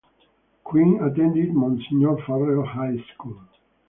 Quinn attended Monsignor Farrell High School.